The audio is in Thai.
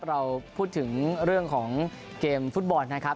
เราพูดถึงเรื่องของเกมฟุตบอลนะครับ